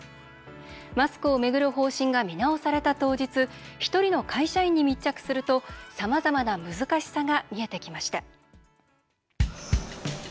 マスクを巡る方針が見直された当日一人の会社員に密着するとさまざまな難しさが見えてきました。